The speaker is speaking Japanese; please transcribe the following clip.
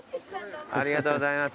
ありがとうございます。